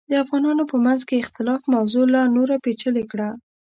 د افغانانو په منځ کې اختلاف موضوع لا نوره پیچلې کړه.